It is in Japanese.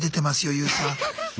ＹＯＵさん。